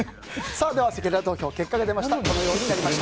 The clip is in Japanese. せきらら投票、結果が出ました。